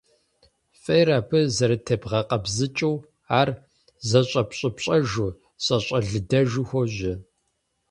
Фӏейр абы зэрытебгъэкъэбзыкӏыу, ар зэщӏэпщӏыпщӏэжу, зэщӏэлыдэжу хуожьэ.